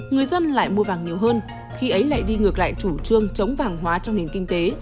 người dân lại mua vàng nhiều hơn khi ấy lại đi ngược lại chủ trương chống vàng hóa trong nền kinh tế